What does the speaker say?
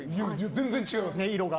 全然違います。